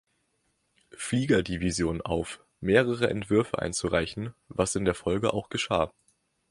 Flieger-Division auf, mehrere Entwürfe einzureichen, was in der Folge auch geschah.